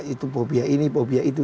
itu phobia ini phobia itu